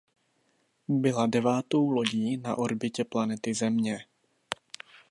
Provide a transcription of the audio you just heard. Byla devátou lodí na orbitě planety Země.